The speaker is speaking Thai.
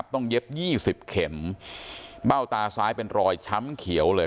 เย็บ๒๐เข็มเบ้าตาซ้ายเป็นรอยช้ำเขียวเลย